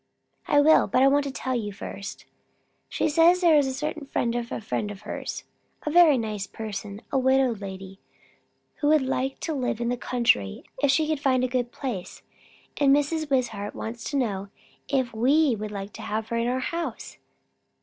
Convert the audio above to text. "I will; but I want to tell you first. She says there is a certain friend of a friend of hers a very nice person, a widow lady, who would like to live in the country if she could find a good place; and Mrs. Wishart wants to know, if we would like to have her in our house."